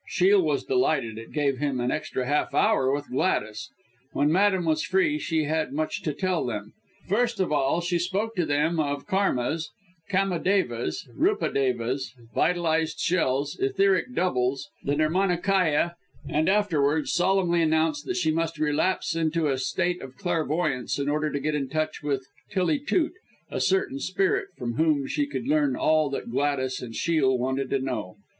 Shiel was delighted it gave him an extra half hour with Gladys. When Madame was free, she had much to tell them. First of all she spoke to them of Karmas, Kamadevas, Rupadevas, vitalized shells, etheric doubles, the Nermanakaya, and afterwards solemnly announced that she must relapse into a state of clairvoyance, in order to get in touch with Tillie Toot, a certain spirit from whom she could learn all that Gladys and Shiel wanted to know.